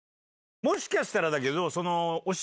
もしかしたらだけど。